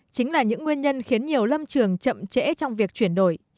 chính là những nguyên nhân khiến nhiều lâm trường chậm trễ trong việc chuyển đổi